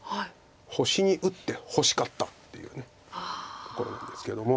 星に打って「ほし」かったっていうところなんですけども。